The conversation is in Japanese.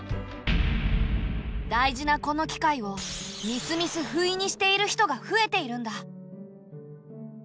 大事なこの機会をみすみすフイにしている人が増えているんだ。